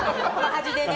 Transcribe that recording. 端でね。